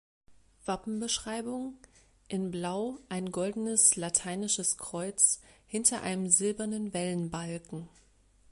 Wappenbeschreibung: In Blau ein goldenes lateinisches Kreuz hinter einem silbernen Wellenbalken.